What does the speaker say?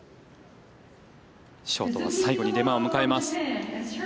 ショートは最後に出番を迎えます。